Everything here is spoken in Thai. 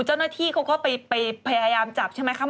เจ้าหน้าที่เขาก็ไปพยายามจับใช่ไหมคะ